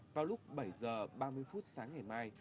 vào lúc bảy h ba mươi phút sáng ngày mai